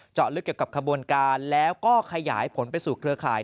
ลึกเกี่ยวกับขบวนการแล้วก็ขยายผลไปสู่เครือข่าย